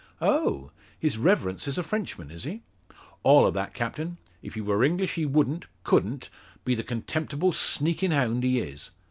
"Oh! His reverence is a Frenchman, is he?" "All o' that, captain. If he wor English, he wouldn't couldn't be the contemptible sneakin' hound he is.